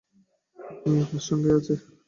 এক মেয়ে তাঁর সঙ্গেই আছে।